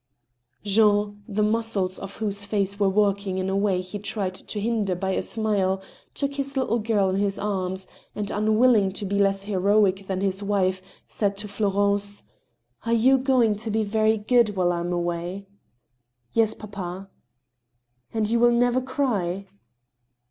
Jean, the muscles of whose face were working in a way he tried to hinder by a smile, took his little girl in his arms, and, unwilling to be less heroic than his wife, said to Florence :" Are you going to be very good while I am away ?"Yes, papa." " And you will never cry